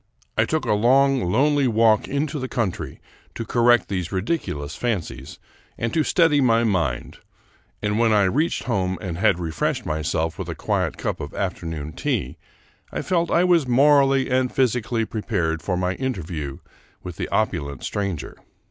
I took a long, lonely walk into the country to correct these ridiculous fancies and to steady my mind, and when I reached home and had refreshed myself with a quiet cup of afternoon tea, I felt I was morally and physically pre pared for my interview with the opulent stranger.